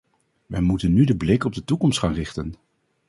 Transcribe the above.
Wij moeten nu de blik op de toekomst gaan richten.